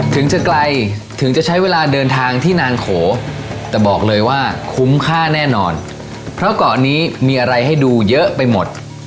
ถึงจะไกลถึงจะใช้เวลาเดินทางที่นางโขแต่บอกเลยว่าคุ้มค่าแน่นอนเพราะเกาะนี้มีอะไรให้ดูเยอะไปหมด